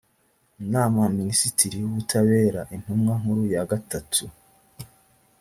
inama minisitiri w ubutabera intumwa nkuru ya gatatu